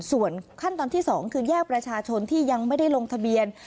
ส่วนขั้นตอนที่๒คือแยกประชาชนที่ยังไม่ได้ลงทะเบียน